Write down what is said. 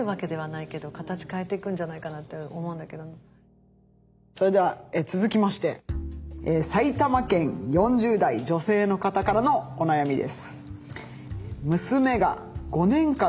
そしたらそれでは続きまして埼玉県４０代女性の方からのお悩みです。